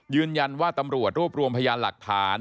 ยืนยันว่าตำรวจรวบรวมพยานหลักฐาน